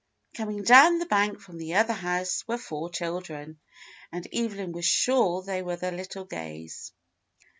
Coming dow^n the bank from the other house were four children, and Evelyn was sure they were the little Gays.